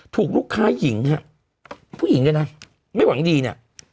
ถูกลูกค้าหญิงฮะผู้หญิงเนี่ยนะไม่หวังดีเนี่ย